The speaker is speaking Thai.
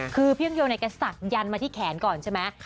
คือพี่ยิ่งยงเนี่ยก็สั่งยันทร์มาที่แขนก่อนใช่ไหม